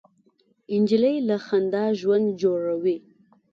نجلۍ له خندا ژوند جوړوي.